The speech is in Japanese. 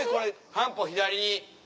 半歩左に。